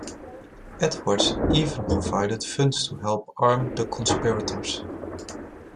Edwards even provided funds to help arm the conspirators.